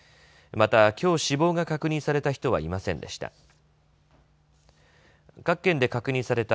また、きょう死亡が確認された人はいませんでした。